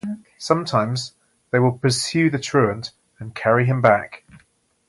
Sometimes they will pursue the truant and carry him back.